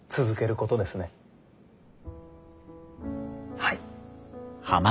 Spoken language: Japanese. はい。